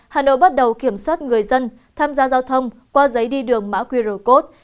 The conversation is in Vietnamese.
hà nội bắt đầu kiểm soát người dân tham gia giao thông qua giấy đi đường mã quy rồi cốt